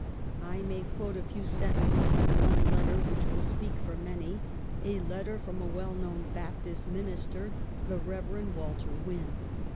1 may quote a few sentences from one letter, which will speak for many, a let ter from a well known Baptist minister, the Rev. Walter Wynn.